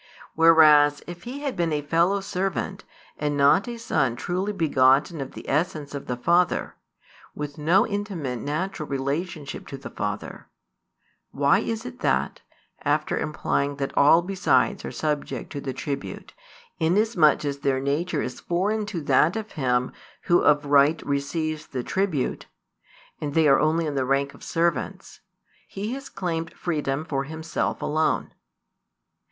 Whereas if He had been a fellow servant, and not a Son truly begotten of the essence of the Father, with no intimate natural relationship to the Father; why is it that, after implying that all besides are subject to the tribute, inasmuch as their nature is foreign to that of Him Who of right receives the tribute, and they are only in the rank of servants, He has claimed freedom for Himself alone?